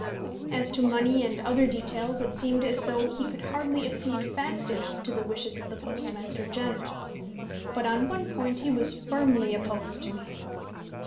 As to money and other details, it seemed as though he could hardly accede fast enough to the wishes of the Postmaster General; but on one point he was firmly opposed to me.